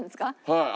はい。